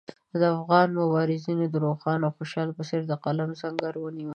افغان مبارزینو د روښان او خوشحال په څېر د قلم سنګر ونیو.